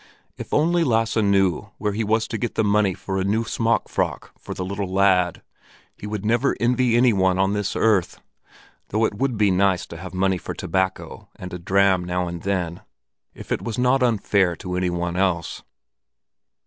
If only Lasse knew where he was to get the money for a new smock frock for the little lad, he would never envy any one on this earth; though it would be nice to have money for tobacco and a dram now and then, if it was not unfair to any one else.